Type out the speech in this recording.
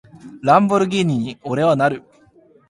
ランボルギーニに、俺はなる！